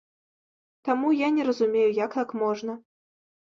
Таму, я не разумею, як так можна.